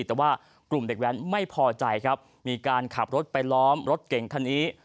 แต่ว่ากลุ่มเด็กแว้นไม่พอใจครับมีการขับรถไปล้อมรถเก่งคันนี้